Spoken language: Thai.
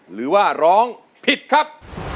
หรือว่าร้องผิดครับ